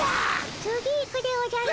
次行くでおじゃる。